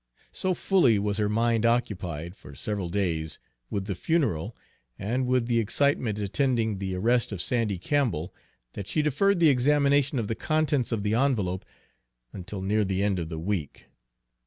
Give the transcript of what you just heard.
So fully was her mind occupied, for several days, with the funeral, and with the excitement attending the arrest of Sandy Campbell, that she deferred the examination of the contents of the envelope until near the end of the week.